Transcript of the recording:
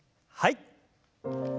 はい。